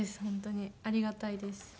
本当にありがたいです。